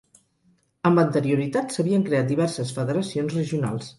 Amb anterioritat s'havien creat diverses federacions regionals.